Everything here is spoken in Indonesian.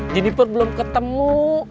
jeniper belum ketemu